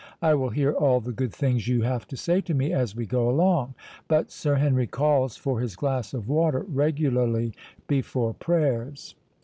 I will hear all the good things you have to say to me as we go along. But Sir Henry calls for his glass of water regularly before prayers."